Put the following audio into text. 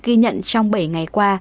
ghi nhận trong bảy ngày qua